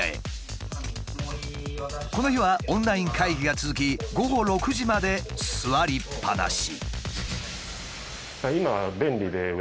この日はオンライン会議が続き午後６時まで座りっぱなし。